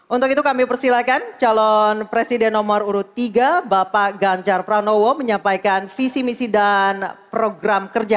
untuk itu kami persilahkan calon presiden nomor urut tiga bapak ganjar pranowo menyampaikan visi misi dan program kerja